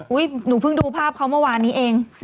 หนูเพิ่งดูภาพเขาเมื่อวานนี้เอง